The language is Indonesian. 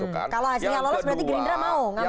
kalau hasilnya lolos berarti gerindra mau mengambil mas gibran